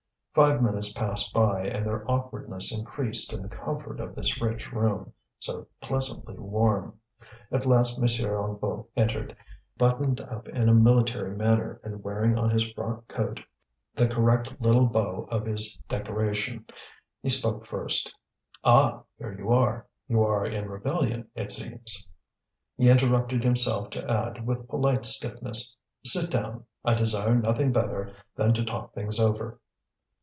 Five minutes passed by and their awkwardness increased in the comfort of this rich room, so pleasantly warm. At last M. Hennebeau entered, buttoned up in a military manner and wearing on his frock coat the correct little bow of his decoration. He spoke first. "Ah! here you are! You are in rebellion, it seems." He interrupted himself to add with polite stiffness: "Sit down, I desire nothing better than to talk things over."